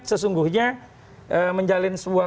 sesungguhnya menjalin sebuah